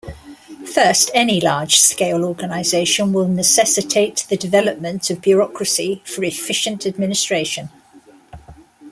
First, any large scale organization will necessitate the development of bureaucracy for efficient administration.